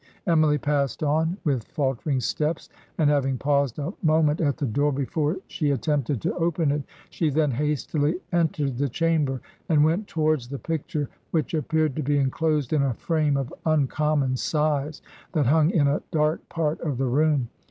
Emily passed on with faltering steps, and having paused a moment at the door before she attempted to open it, she then hastily entered the chamber, and went towards the picture, which appeared to be enclosed in a frame of im common size, that hung in a dark part of the room.